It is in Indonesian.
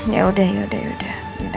yaudah yaudah yaudah